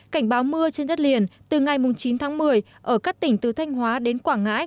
cảnh báo mưa trên đất liền từ ngày chín tháng một mươi ở các tỉnh từ thanh hóa đến quảng ngãi